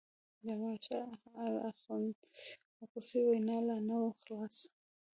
د ملا شال اخُند نصیحت او غوسې وینا لا نه وه خلاصه.